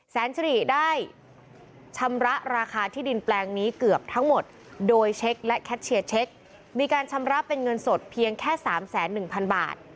แสนสิริได้ชำระราคาที่ดินแปลงนี้เกือบทั้งหมดโดยเช็คและแคทเชียร์เช็คมีการชำระเป็นเงินสดเพียงแค่๓๑๐๐๐บาท